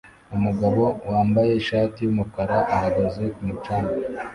Umugabo wambaye ishati yumukara ahagaze ku mucanga